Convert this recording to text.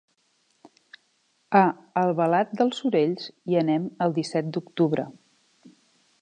A Albalat dels Sorells hi anem el disset d'octubre.